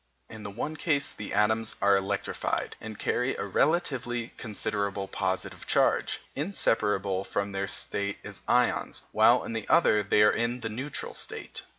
In the one case the atoms are electrified, and carry a relatively considerable positive charge, inseparable from their state as ions, while in the other they are in the neutral state.